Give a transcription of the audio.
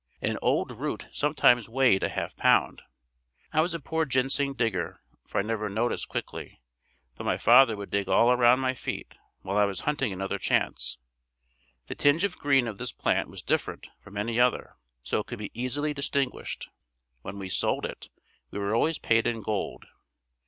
An old root sometimes weighed a half pound. I was a poor ginseng digger for I never noticed quickly, but my father would dig all around my feet while I was hunting another chance. The tinge of green of this plant was different from any other so could be easily distinguished. When we sold it, we were always paid in gold.